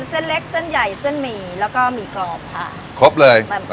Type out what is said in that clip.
เส้นเล็กเส้นใหญ่เส้นหมี่แล้วก็หมี่กรอบค่ะครบเลย